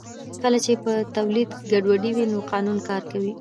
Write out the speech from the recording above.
کله چې پر تولید ګډوډي وي نو قانون کار کوي